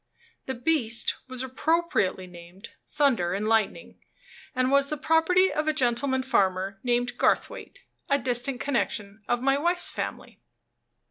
The beast was appropriately named "Thunder and Lightning," and was the property of a gentleman farmer named Garthwaite, a distant connection of my wife's family.